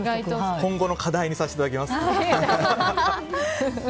今後の課題にさせていただきます。